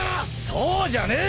そうじゃねえ！